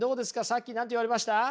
さっき何て言われました？